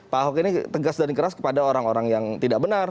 pak ahok ini tegas dan keras kepada orang orang yang tidak benar